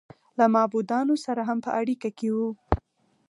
له معبودانو سره هم په اړیکه کې و